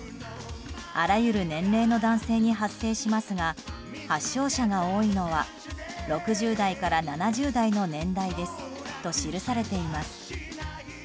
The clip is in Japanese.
あらゆる年齢の男性に発生しますが発症者が多いのは６０代から７０代の年代ですと記されています。